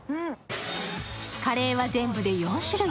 カレーは全部で４種類。